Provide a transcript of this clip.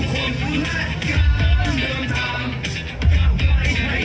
แขทแขนนัยกาศคริเดียน